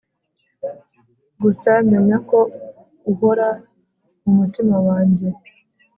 gusa menya ko uhora mumutima wanjye